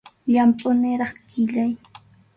Llampʼu niraq qʼillay.